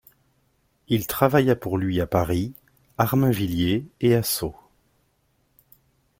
Il travailla pour lui à Paris, Armainvilliers et à Sceaux.